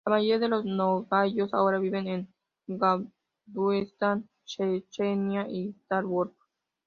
La mayoría de los nogayos ahora viven en Daguestán, Chechenia y Stávropol.